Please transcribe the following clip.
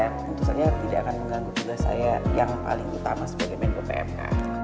tentu saja tidak akan mengganggu tugas saya yang paling utama sebagai menko pmk